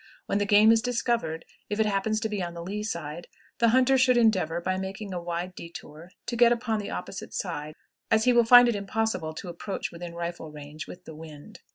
When the game is discovered, if it happen to be on the lee side, the hunter should endeavor, by making a wide detour, to get upon the opposite side, as he will find it impossible to approach within rifle range with the wind.